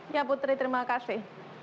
ya putri terima kasih